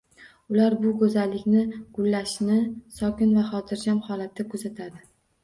Ular bu go’zallikni gullashini sokin va xotirjam holatda kuzatadi.